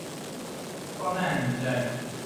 ก็ "น่าเห็นใจ"